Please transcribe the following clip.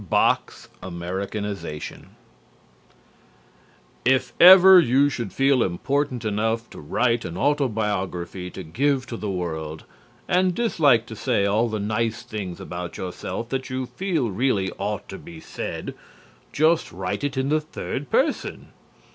BOK'S AMERICANIZATION If ever you should feel important enough to write an autobiography to give to the world, and dislike to say all the nice things about yourself that you feel really ought to be said, just write it in the third person.